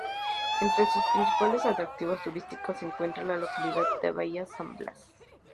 Entre sus principales atractivos turísticos se encuentra la localidad de Bahía San Blas.